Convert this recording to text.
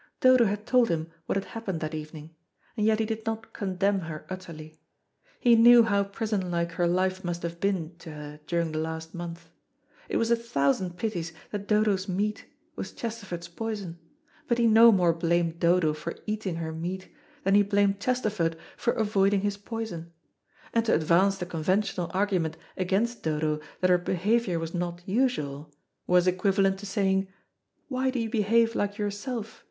Dodo had told him what had happened that evening, and yet he did not condemn her utterly. He knew how prison like her life must have been to her during the last month. It was a thousand pities that Dodo's meat was Chesterford's poison, but he no more blamed Dodo for eating her meat than he blamed Chesterford for avoiding his poison; and to advance the conventional argument against Dodo, that her behaviour was not usual, was, equivalent to saying, "Why do you behave like yourself?"